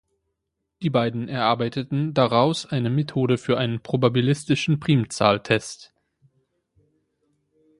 Die beiden erarbeiteten daraus eine Methode für einen probabilistischen Primzahltest.